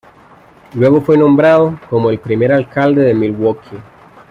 Luego fue nombrado como el primer alcalde de Milwaukee.